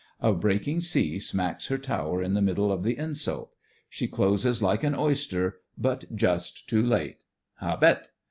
A break ing sea smacks her tower in the middle of the insult. She closes like an oyster, but — just too late. Hahet